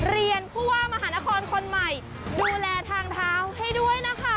เรียนผู้ว่ามหานครคนใหม่ดูแลทางเท้าให้ด้วยนะคะ